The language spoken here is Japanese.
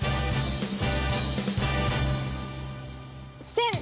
せん！